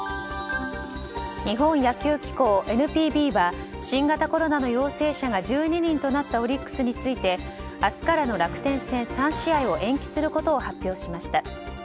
日本野球機構・ＮＰＢは新型コロナの陽性者が１２人となったオリックスについて明日からの楽天戦３試合を延期することを発表しました。